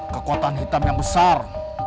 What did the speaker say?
kekuatan hitam yang besar